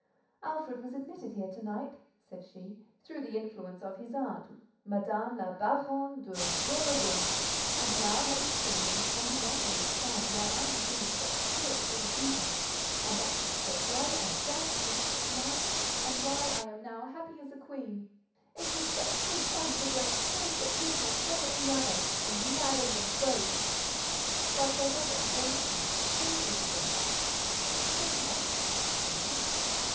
"Alfred was admitted here to night," said she, "through the influence of his aunt, Madame la Baronne de Dorlodot; and now, having seen him, can you not understand why I have been in such spirits all the evening, and acted so well, and danced with such life, and why I am now happy as a queen? Dieu! Dieu! It was such good fun to glance first at him and then at the other, and madden them both." "But that other—where is he? Show me Isidore." "I don't like." "Why not?"